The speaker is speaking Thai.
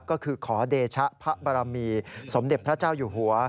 ก็คือขอเดชะพระบารมีสมเด็จพระเจ้าอยู่หัว